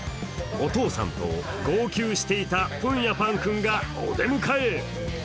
お父さんと号泣していたプンヤパン君がお出迎え。